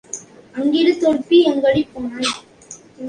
அங்கிடு தொடுப்பி எங்கடி போனாய்?